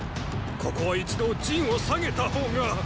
ここは一度陣を退げた方が！